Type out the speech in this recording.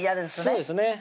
そうですね